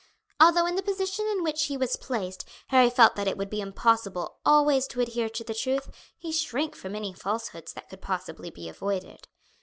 Although in the position in which he was placed Harry felt that it would be impossible always to adhere to the truth, he shrank from any falsehoods that could possibly be avoided.